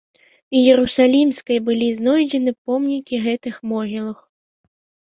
Іерусалімскай былі знойдзены помнікі гэтых могілак.